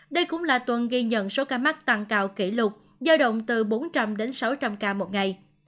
đây cũng là tuần ghi nhận số ca mắc tăng cao kỷ lục giao động từ bốn trăm linh đến sáu trăm linh ca một ngày